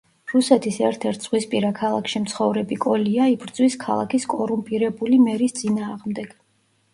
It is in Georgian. რუსეთის ერთ-ერთ ზღვისპირა ქალაქში მცხოვრები კოლია იბრძვის ქალაქის კორუმპირებული მერის წინააღმდეგ.